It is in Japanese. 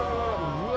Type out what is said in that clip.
うわ！